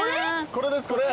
これですこれ。